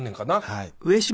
はい。